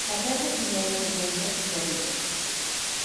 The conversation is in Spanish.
La casa general se encuentra en Rovigo.